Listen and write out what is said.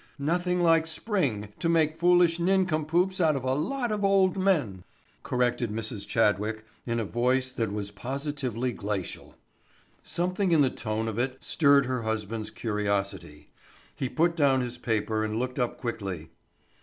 "Nothing like spring to make foolish nincompoops out of a lot of old men," corrected Mrs. Chadwick in a voice that was positively glacial. Something in the tone of it stirred her husband's curiosity. He put down his paper and looked up quickly.